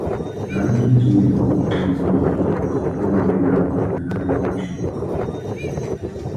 Rankin's widow, Connie Fogal, is the former leader of the Canadian Action Party.